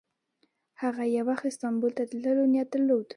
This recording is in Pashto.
هغه یو وخت استانبول ته د تللو نیت درلود.